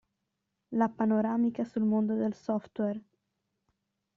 La panoramica sul mondo del software.